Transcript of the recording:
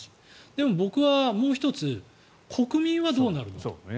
でも僕は、もう１つ国民はどうなるのと。